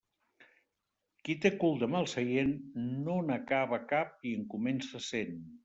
Qui té cul de mal seient, no n'acaba cap i en comença cent.